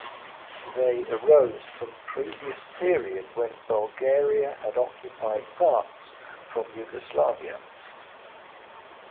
They arose from previous period when Bulgaria had occupied parts from Yugoslavia.